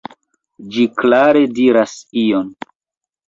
Ĝi klare diras ion.